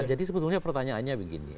jadi sebetulnya pertanyaannya begini